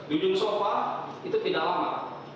ujung sofa itu tidak lama